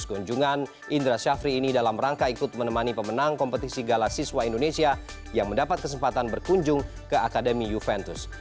kunjungan indra syafri ini dalam rangka ikut menemani pemenang kompetisi gala siswa indonesia yang mendapat kesempatan berkunjung ke akademi juventus